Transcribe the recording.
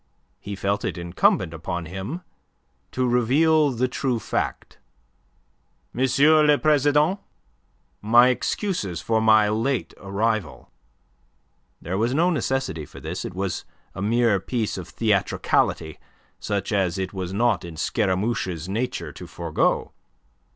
He felt it incumbent upon him to reveal the true fact. "M. le President, my excuses for my late arrival." There was no necessity for this. It was a mere piece of theatricality, such as it was not in Scaramouche's nature to forgo.